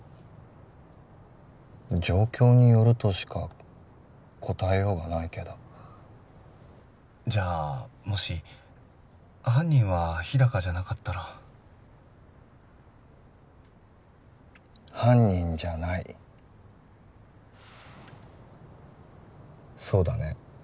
状況によるとしか答えようがないけどじゃあもし犯人は日高じゃなかったら犯人じゃないそうだね